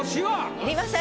いりません。